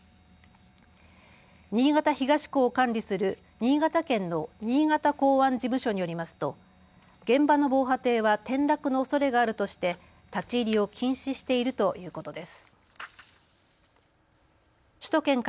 新潟東港を管理する新潟県の新潟港湾事務所によりますと現場の防波堤は転落のおそれがあるとして立ち入りを禁止しているということです。